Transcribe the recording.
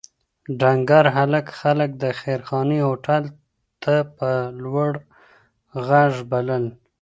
ډنکر هلک خلک د خیرخانې هوټل ته په لوړ غږ بلل.